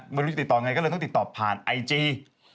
ไม่รู้จะติดต่อไงก็เลยต้องติดต่อผ่านไอจี